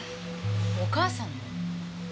お母さんの？